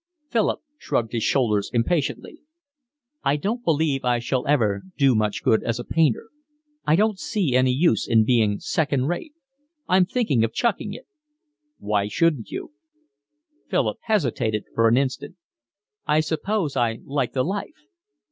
Philip shrugged his shoulders impatiently. "I don't believe I shall ever do much good as a painter. I don't see any use in being second rate. I'm thinking of chucking it." "Why shouldn't you?" Philip hesitated for an instant. "I suppose I like the life."